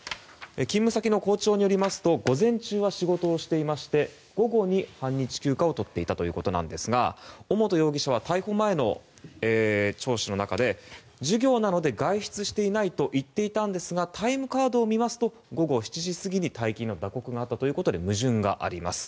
勤務先の校長によりますと午前中は仕事をしていまして午後に半日休暇を取っていたということなんですが尾本容疑者は逮捕前の聴取の中で授業なので外出していないと言っていたんですがタイムカードを見ますと午後７時過ぎに退勤の打刻があったということで矛盾があります。